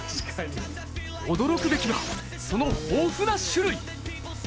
驚くべきは、その豊富な種類。